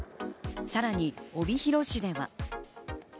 さらに帯広市では。